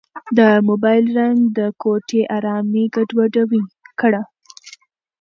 د موبایل زنګ د کوټې ارامي ګډوډه کړه.